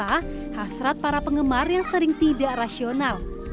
ada praktik penggemar yang sering tidak rasional